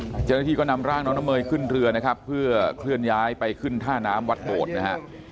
เจ้าหน้าที่ก็นำร่างน้องน้ำเมยขึ้นเรือนะครับเพื่อเคลื่อนย้ายไปขึ้นท่าน้ำวัดโบดนะฮะ